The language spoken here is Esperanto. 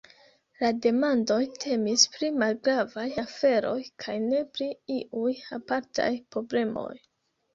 La demandoj temis pri malgravaj aferoj kaj ne pri iuj apartaj problemoj.